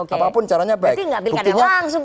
apapun caranya baik jadi tidak diambilkannya langsung